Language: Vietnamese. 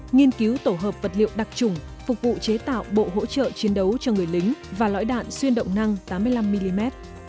nghiên cứu tổ hợp vật liệu đặc trùng phục vụ chế tạo bộ hỗ trợ chiến đấu cho người lính và lõi đạn xuyên động năng tám mươi năm mm